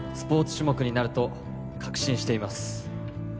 種目になると確信しています